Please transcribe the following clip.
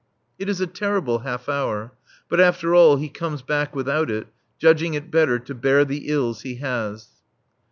It is a terrible half hour. But after all, he comes back without it, judging it better to bear the ills he has.